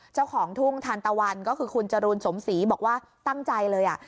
เจ้าของทุ่งทานตะวันก็คือคุณจรูนสมศรีบอกว่าตั้งใจเลยอ่ะ